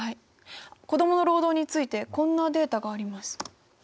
子どもの労働についてこんなデータがあります。